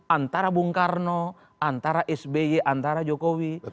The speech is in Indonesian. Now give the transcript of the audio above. antara bung karno antara sby antara jokowi